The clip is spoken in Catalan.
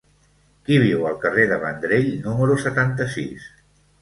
Qui viu al carrer de Vendrell número setanta-sis?